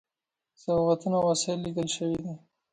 سوغاتونه او وسایل لېږل شوي دي.